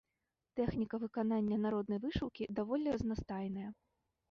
Тэхніка выканання народнай вышыўкі даволі разнастайная.